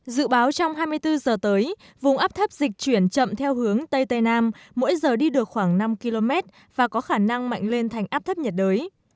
dự báo trong hai mươi bốn giờ tới vùng áp thấp dịch chuyển chậm theo hướng tây tây nam mỗi giờ đi được khoảng năm km và có khả năng mạnh lên thành áp thấp nhiệt đới